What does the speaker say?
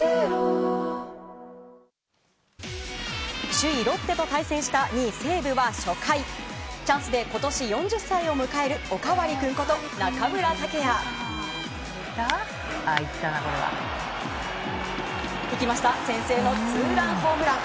首位ロッテと対戦した２位、西武は初回チャンスで今年４０歳を迎えるおかわり君こと、中村剛也。いきました先制のツーランホームラン。